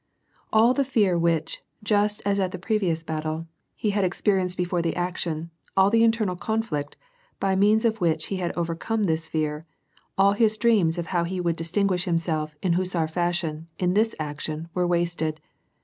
All the fear which, just as at the previous battles, he had ex perienced before the action, all the internal conflict, by means of which he had overcome this fear, all his dreams of how he would distinguish himself, hussar fashion, in this action were wasted.